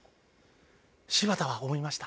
柴田は思いました。